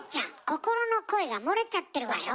心の声が漏れちゃってるわよ？